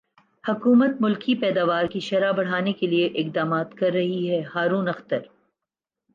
حکومت ملکی پیداوار کی شرح بڑھانے کیلئے اقدامات کر رہی ہےہارون اختر